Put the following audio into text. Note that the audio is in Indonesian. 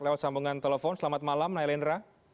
lewat sambungan telepon selamat malam nailendra